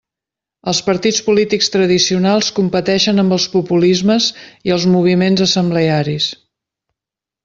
Els partits polítics tradicionals competeixen amb els populismes i els moviments assemblearis.